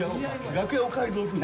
楽屋を改造すんの？